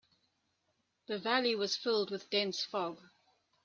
The valley was filled with dense fog.